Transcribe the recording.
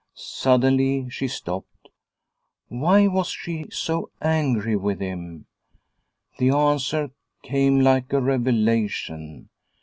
Suddenly she stopped. Why was she so angry with him ? The answer came like a revelation.